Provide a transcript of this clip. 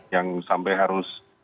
yang sampai harus